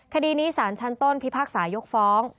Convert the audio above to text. คดีนี้สารชั้นต้นพิพากษายกฟ้อง